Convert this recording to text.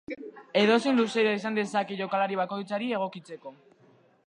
Edozein luzera izan dezake jokalari bakoitzari egokitzeko.